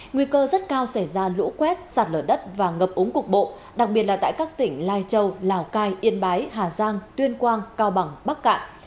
nguy cơ rất cao xảy ra lũ quét sạt lở đất và ngập úng cục bộ đặc biệt là tại các tỉnh lai châu lào cai yên bái hà giang tuyên quang cao bằng bắc cạn